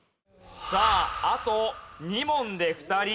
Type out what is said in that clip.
さああと２問で２人。